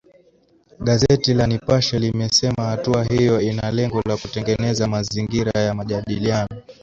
Gazeti la Nipashe limesema hatua hiyo ina lengo la kutengeneza mazingira ya majadiliano.